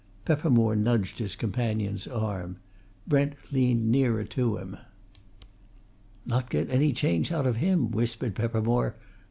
Peppermore nudged his companion's arm. Brent leaned nearer to him. "Not get any change out of him!" whispered Peppermore.